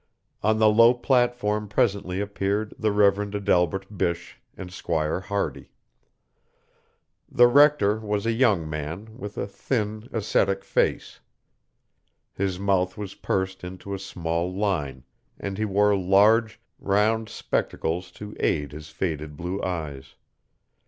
On the low platform presently appeared the Rev. Adelbert Bysshe and Squire Hardy. The rector was a young man with a thin, ascetic face. His mouth was pursed into a small line, and he wore large, round spectacles to aid his faded blue eyes.